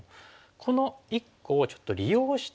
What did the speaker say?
この１個をちょっと利用して。